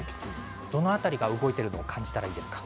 どの辺りが動いてるの感じるといいですか。